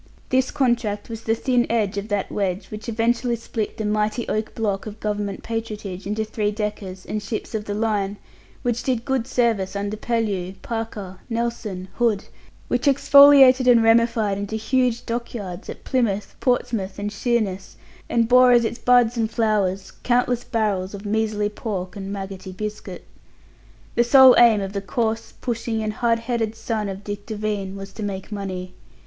This contract was the thin end of that wedge which eventually split the mighty oak block of Government patronage into three deckers and ships of the line; which did good service under Pellew, Parker, Nelson, Hood; which exfoliated and ramified into huge dockyards at Plymouth, Portsmouth, and Sheerness, and bore, as its buds and flowers, countless barrels of measly pork and maggoty biscuit. The sole aim of the coarse, pushing and hard headed son of Dick Devine was to make money.